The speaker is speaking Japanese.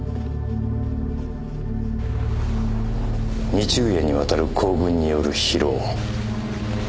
２昼夜にわたる行軍による疲労。